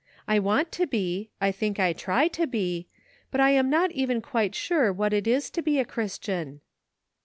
I want to be, I think I try to be ; but I am not even quite sure what it is to be a Christian."